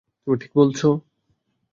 তুমি ঠিক বলছো!